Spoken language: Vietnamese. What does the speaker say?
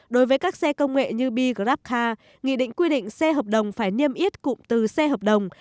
đối với các xe công nghệ như b grabca nghị định quy định xe hợp đồng phải niêm yết cụm từ xe hợp đồng